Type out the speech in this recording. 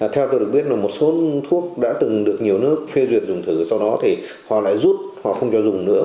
theo tôi được biết là một số thuốc đã từng được nhiều nước phê duyệt dùng thử sau đó thì họ lại rút hoặc không cho dùng nữa